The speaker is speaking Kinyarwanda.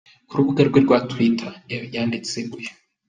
Ku rubuga rwe rwa Twitter, Eva Longoria yanditse ati Uyu.